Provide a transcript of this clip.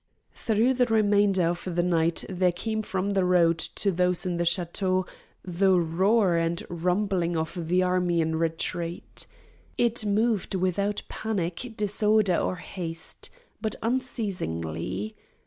Through the remainder of the night there came from the road to those in the chateau the roar and rumbling of the army in retreat. It moved without panic, disorder, or haste, but unceasingly.